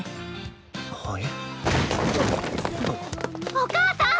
・お母さん！